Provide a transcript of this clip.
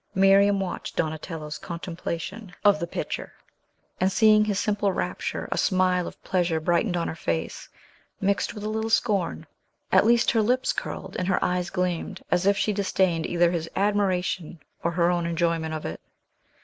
Miriam watched Donatello's contemplation of the picture, and seeing his simple rapture, a smile of pleasure brightened on her face, mixed with a little scorn; at least, her lips curled, and her eyes gleamed, as if she disdained either his admiration or her own enjoyment of it.